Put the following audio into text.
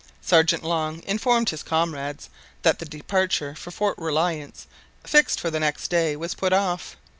Sergeant Long informed his comrades that the departure for Fort Reliance, fixed for the next day, was put off.